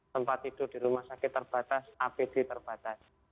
tempat tidur di rumah sakit terbatas apd terbatas